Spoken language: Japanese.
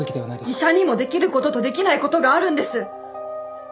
医者にもできることとできないことがあるんです。